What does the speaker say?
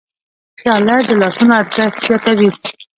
پیاله د لاسونو ارزښت زیاتوي.